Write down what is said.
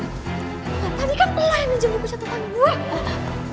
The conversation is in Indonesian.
tadi kan lo yang pinjam buku catatan gue